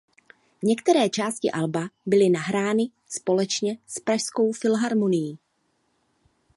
Některé části alba byly nahrány společně s Pražskou filharmonií.